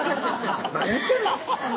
何言ってんの！